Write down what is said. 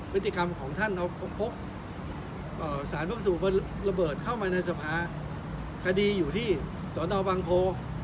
พฤติกรรมของท่านพบสารพลักษณ์สุขประเบิดเข้ามาในสภาคดีอยู่ที่ศรณบังโค